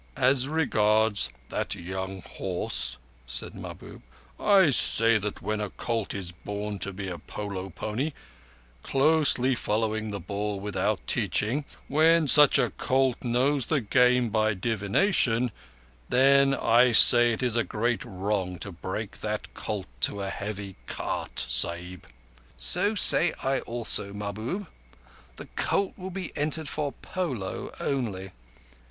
"As regards that young horse," said Mahbub, "I say that when a colt is born to be a polo pony, closely following the ball without teaching—when such a colt knows the game by divination—then I say it is a great wrong to break that colt to a heavy cart, Sahib!" "So say I also, Mahbub. The colt will be entered for polo only.